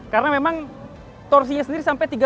karena memang torsinya sendiri sampai tiga puluh nm loh